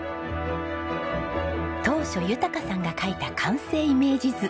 当初豊さんが描いた完成イメージ図